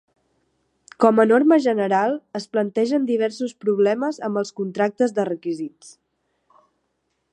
Com a norma general, es plantegen diversos problemes amb els contractes de requisits.